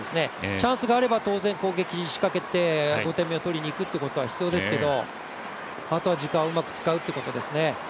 チャンスがあれば当然、攻撃を仕掛けて５点目を取りに行くことは大切ですけどあとは時間をうまく使うということですね。